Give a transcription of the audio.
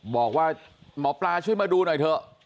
บอกว่าหมอปลาช่วยมาดูหน่อยเถอะ